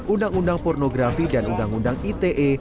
undang undang pornografi dan undang undang ite